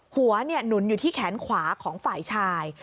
หนุนอยู่ที่แขนขวาของฝ่ายชาย